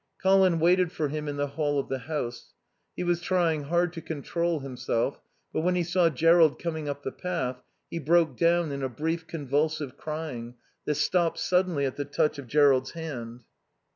Colin waited for him in the hall of the house. He was trying hard to control himself, but when he saw Jerrold coming up the path he broke down in a brief convulsive crying that stopped suddenly at the touch of Jerrold's hand.